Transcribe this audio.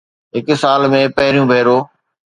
هڪ سال ۾ پهريون ڀيرو